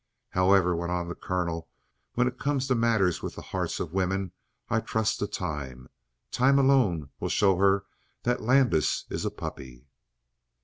"However," went on the colonel, "when it comes to matters with the hearts of women, I trust to time. Time alone will show her that Landis is a puppy."